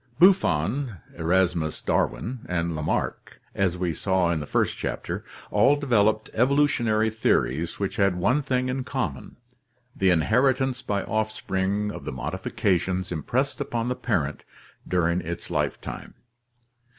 — Buffon, Eramus Darwin, and Lamarck, as we saw in the first chapter, all developed evolutionary theories which had one thing in common, the inheritance by offspring of the modifications impressed upon the parent during its lifetime.